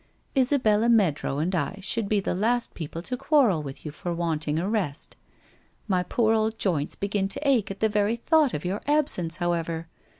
* Isabella Meadrow and I should be the last people to quarrel with you for wanting a rest. My poor old joints begin to ache at the very thought of your absence, however.